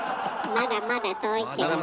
まだまだ遠いね。